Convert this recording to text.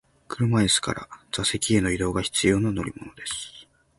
車椅子から座席への移動が必要な乗り物です。